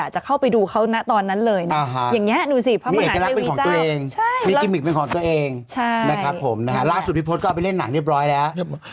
ใช่นะครับผมล่าสุดพี่พลสก็เอาไปเล่นหนังเรียบร้อยแล้ว